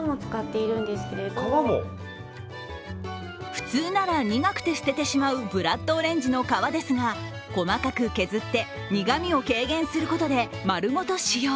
普通なら苦くて捨ててしまうブラッドオレンジの皮ですが細かく削って、苦みを軽減することで丸ごと使用。